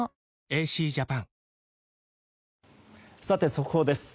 速報です。